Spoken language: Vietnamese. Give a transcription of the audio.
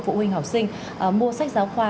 phụ huynh học sinh mua sách giáo khoa